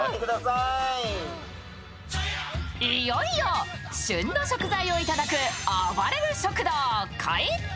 いよいよ、旬の食材を頂くあばれる食堂開店！